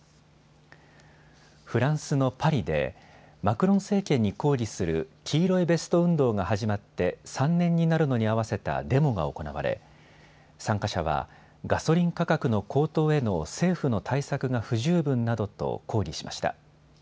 フランスのパリでマクロン政権に抗議する黄色いベスト運動が始まって３年になるのに合わせたデモが行われ、参加者はガソリン価格の高騰への政府の対策が不十分などと抗議しました。